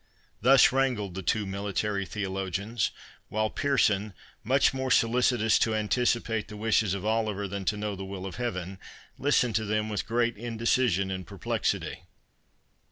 '" Thus wrangled the two military theologians, while Pearson, much more solicitous to anticipate the wishes of Oliver than to know the will of Heaven, listened to them with great indecision and perplexity.